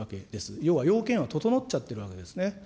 要は、要件が整っちゃってるわけですね。